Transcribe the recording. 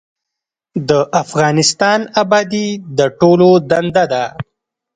د افغانستان ابادي د ټولو دنده ده